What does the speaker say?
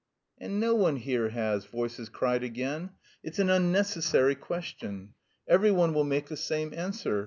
"And no one here has," voices cried again. "It's an unnecessary question. Every one will make the same answer.